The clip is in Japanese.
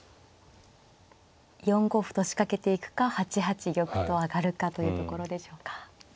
４五歩と仕掛けていくか８八玉と上がるかというところでしょうか。